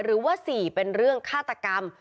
หรือว่า๔เป็นเรื่องฆาตกรรม